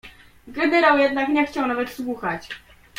"Generał jednak nie chciał nawet słuchać!"